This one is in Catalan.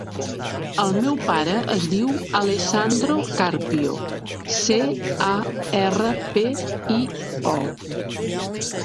El meu pare es diu Alessandro Carpio: ce, a, erra, pe, i, o.